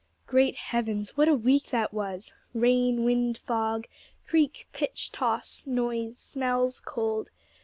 Great heavens, what a week that was! Rain, wind, fog; creak, pitch, toss; noise, smells, cold.